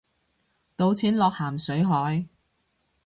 倒錢落咸水海